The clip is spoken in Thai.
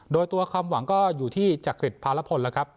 โดยตัวความหวังก็อยู่ที่จักริตภารพลแล้วครับ